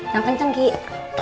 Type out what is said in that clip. yang kenceng giy